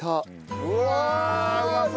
うわうまそう！